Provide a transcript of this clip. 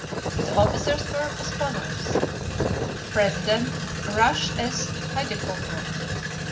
The officers were as follows: President. Rush S. Huidekoper, 154 E.